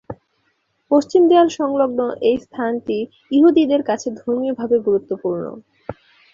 পশ্চিম দেয়াল সংলগ্ন এই স্থানটি ইহুদিদের কাছে ধর্মীয়ভাবে গুরুত্বপূর্ণ।